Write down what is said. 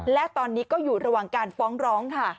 และตอนนี้ก็อยู่ระหว่างการฟ้องร้องค่ะ